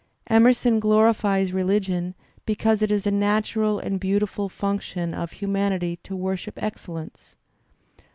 Emerson glorifies religion because it is a natural and beautiful function of humanity to worship excellence.